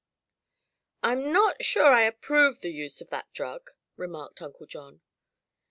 "I'm not sure I approve the use of that drug," remarked Uncle John.